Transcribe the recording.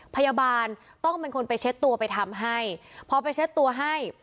พยาบาลต้องเป็นคนไปเช็ดตัวไปทำให้พอไปเช็ดตัวให้